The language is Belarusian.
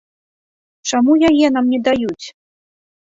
Чаму яе нам не даюць?